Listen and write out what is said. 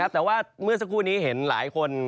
แต่ว่าเมื่อสักครู่นี้เห็นหลายคน